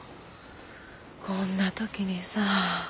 こんな時にさぁ。